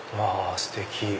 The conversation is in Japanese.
ステキ！